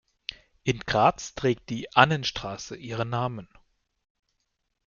In Graz trägt die "Annenstraße" ihren Namen.